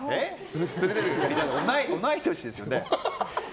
同い年ですよね。